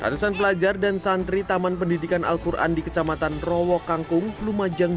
ratusan pelajar dan santri taman pendidikan al quran di kecamatan rowo kangkung lumajang